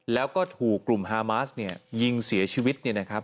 แล้วก็ถูกกลุ่มฮามัสยิงเสียชีวิต